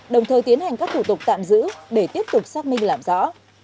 đồng thời tiến hành các thủ tục tạm giữ để tiếp tục xác minh làm rõ